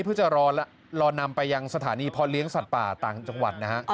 เพื่อจะรอนำไปยังสถานีพอเลี้ยงสัตว์ป่าต่างจังหวัดนะฮะ